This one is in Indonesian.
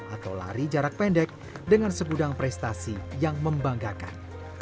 atau lari jarak pendek dengan segudang prestasi yang membanggakan